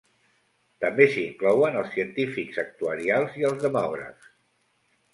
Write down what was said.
També s'hi inclouen els científics actuarials i els demògrafs.